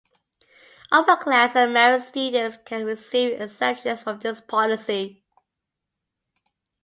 Upperclass and married students can receive exemptions from this policy.